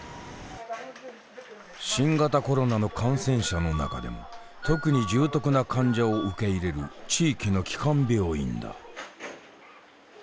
新型コロナの感染者の中でも特に重篤な患者を受け入れる地域の基幹病院だ